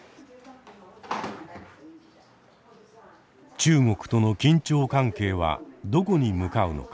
中国との緊張関係はどこに向かうのか。